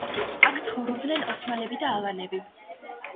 აქ ცხოვრობდნენ ოსმალები და ალანები.